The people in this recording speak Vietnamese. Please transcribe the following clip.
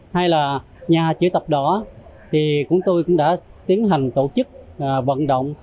hay là nhà chữa tập đó thì cũng tôi cũng đã tiến hành tổ chức vận động